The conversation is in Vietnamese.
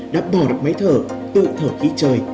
đã bỏ được máy thở tự thở khí trời